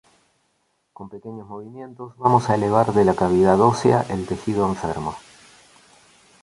Con pequeños movimientos vamos a elevar de la cavidad ósea el tejido enfermo.